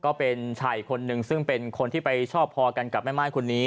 ก็เป็นชายคนหนึ่งซึ่งเป็นคนที่ไปชอบพอกันกับและใบและสาวตกลีอีก